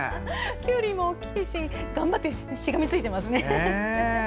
きゅうりも大きいし頑張ってしがみついてますね。